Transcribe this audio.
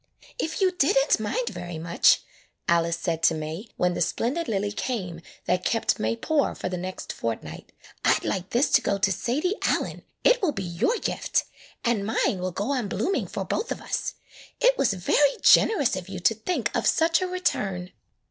"If you did n't mind very much," Alice said to May when the splendid lily came that kept May poor for the next fortnight, "I 'd like this to go to Sadie Allen. It will be your gift. [ 26 ] AN EASTER LILY And mine will go on blooming for both of us. It was very generous of you to think of such a return.